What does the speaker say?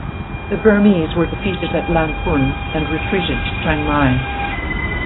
The Burmese were defeated at Lamphun and retreated to Chiang Mai.